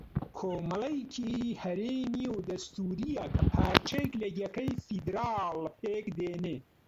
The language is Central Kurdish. کۆمەڵەیەکی ھەرێمی و دەستوورییە کە پارچەیەک لە یەکەی فێدراڵ پێک دێنێ